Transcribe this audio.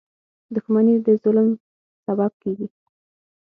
• دښمني د ظلم سبب کېږي.